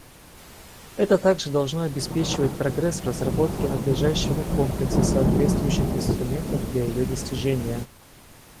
Это также должно обеспечить прогресс в разработке надлежащего комплекса соответствующих инструментов для ее достижения.